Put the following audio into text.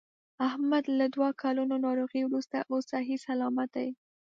احمد له دوه کلونو ناروغۍ ورسته اوس صحیح صلامت دی.